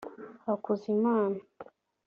Hakuzimana